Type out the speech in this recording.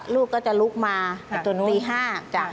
ลูกก็จะลุกมา๔อาหาร